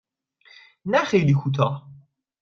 نه خیلی کوتاه.